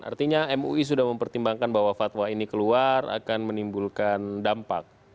artinya mui sudah mempertimbangkan bahwa fatwa ini keluar akan menimbulkan dampak